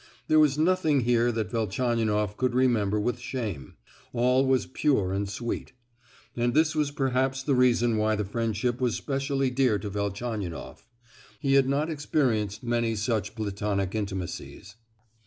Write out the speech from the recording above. There was nothing here that Velchaninoff could remember with shame—all was pure and sweet; and this was perhaps the reason why the friendship was specially dear to Velchaninoff; he had not experienced many such platonic intimacies.